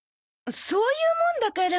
そういうもんだから。